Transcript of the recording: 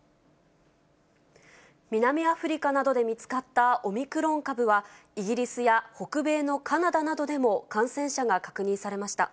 南アフリカなどで見つかったオミクロン株は、イギリスや北米のカナダなどでも、感染者が確認されました。